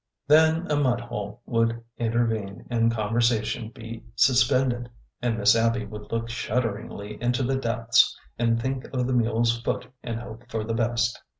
Then a mud hole would intervene and conversation be suspended. And Miss Abby would look shudderingly into the depths and think of the mule's foot and hope for the best.